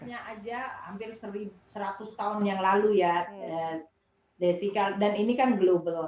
ingat aja hampir seratus tahun yang lalu ya dan ini kan global